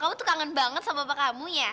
kamu tuh kangen banget sama bapak kamu ya